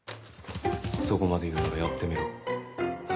そこまで言うんならやってみろ。